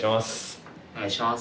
お願いします。